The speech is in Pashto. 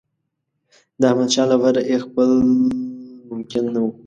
د احمدشاه لپاره یې ځپل ممکن نه وو.